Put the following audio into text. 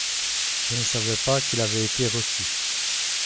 Je ne savais pas qu’il avait été reçu.